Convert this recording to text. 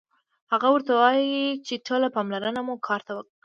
هغه ورته وايي چې ټوله پاملرنه مو کار ته کړئ